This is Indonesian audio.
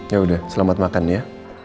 yaudah selamat makan ya